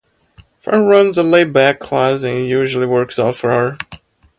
Franny runs a laid back class and it usually works out for her.